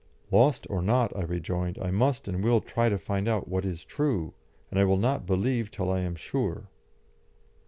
"Lost or not," I rejoined, "I must and will try to find out what is true, and I will not believe till I am sure."